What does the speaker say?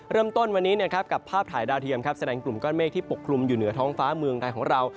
เริ่มต้นวันนี้นะครับกับภาพถ่ายดาวเทียมครับแสดงกลุ่มก้อนเมฆที่ปกคลุมอยู่เหนือท้องฟ้าเมืองไทยของเรา